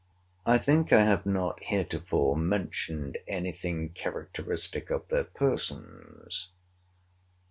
I think I have not heretofore mentioned any thing characteristic of their persons.